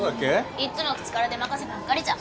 いっつも口から出任せばっかりじゃん。